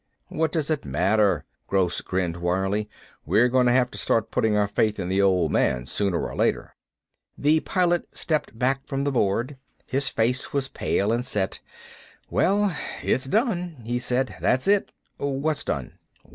"What does it matter?" Gross grinned wryly. "We're going to have to start putting our faith in the old man sooner or later." The Pilot stepped back from the board. His face was pale and set. "Well, it's done," he said. "That's it." "What's done?" Kramer said.